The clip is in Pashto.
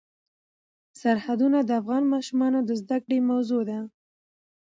سرحدونه د افغان ماشومانو د زده کړې موضوع ده.